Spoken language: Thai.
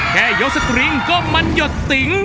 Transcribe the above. แค่ยกสตริงก็มันหยดติ๋ง